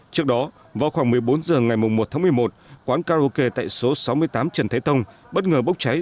trước đó vào khoảng một mươi bốn h ngày một tháng một mươi một quán karaoke tại số sáu mươi tám trần thế tông bất ngờ bốc cháy